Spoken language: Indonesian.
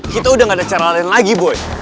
kita sudah tidak ada cara lain lagi boy